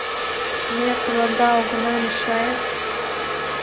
— Ме тыланда огына мешае?